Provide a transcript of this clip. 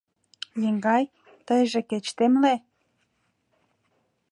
Еҥгай, тыйже кеч темле.